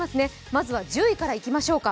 まずは１０位からいきましょうか。